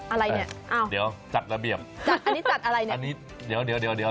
อะไรนี่อ้าวอันนี้จัดอะไรนี่จัดระเบียบ